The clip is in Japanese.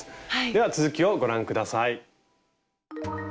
では続きをご覧下さい。